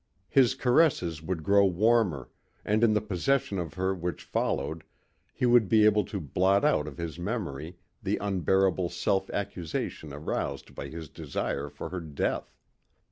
His caresses would grow warmer and in the possession of her which followed, he would be able to blot out of his memory the unbearable self accusation aroused by his desire for her death.